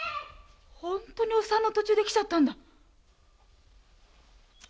本当にお産の途中で来ちゃったんだ。